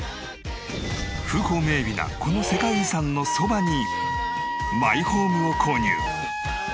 風光明媚なこの世界遺産のそばにマイホームを購入。